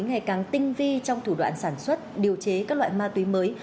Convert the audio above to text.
ngày càng tinh vi trong thủ đoạn sản xuất điều chế các loại ma túy mới